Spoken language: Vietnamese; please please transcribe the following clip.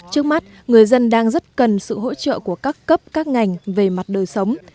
trước mắt người dân đang rất cần sự hỗ trợ của các cấp các ngành về mặt đời sống